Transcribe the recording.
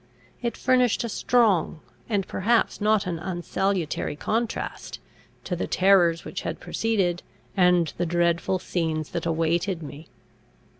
It furnished a strong, and perhaps not an unsalutary contrast, to the terrors which had preceded, and the dreadful scenes that awaited me.